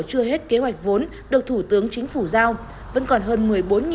chưa hết kế hoạch vốn được thủ tướng chính phủ giao vẫn còn hơn một mươi bốn tỷ đồng